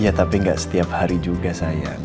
ya tapi nggak setiap hari juga sayang